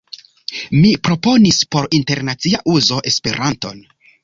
Mi proponis por internacia uzo Esperanton.